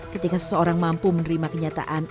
ketika seseorang mampu menerima kenyataan